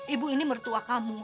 ibu ini mertua kamu